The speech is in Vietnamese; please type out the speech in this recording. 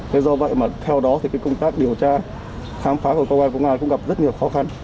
thế do vậy mà theo đó thì công tác điều tra khám phá của công an cũng gặp rất nhiều khó khăn